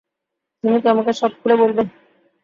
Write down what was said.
তুমি কি আমাকে সব খুলে বলবে?